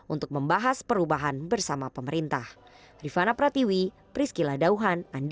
untuk membahas perubahan bersama pemerintah